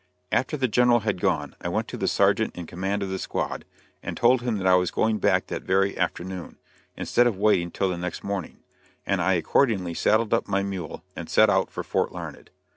After the General had gone I went to the sergeant in command of the squad, and told him that I was going back that very afternoon, instead of waiting till the next morning; and I accordingly saddled up my mule and set out for Fort Larned.